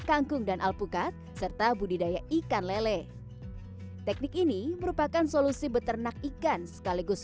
kangkung dan alpukat serta budidaya ikan lele teknik ini merupakan solusi beternak ikan sekaligus